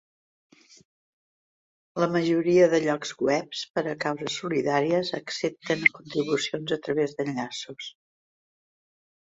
La majoria de llocs webs per a causes solidàries accepten contribucions a través d'enllaços.